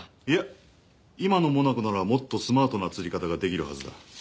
いや今のモナコならもっとスマートな釣り方ができるはずだ。